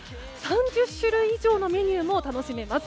３０種類以上のメニューも楽しめます。